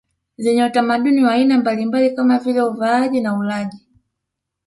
zenye utamaduni wa aina mbalimbali kama vile uvaaji na ulaji